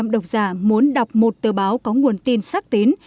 chín mươi chín độc giả muốn đọc một tờ báo có nguồn tin sắc tín